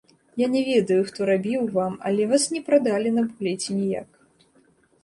Я не ведаю, хто рабіў вам, але вас не прадалі на буклеце ніяк.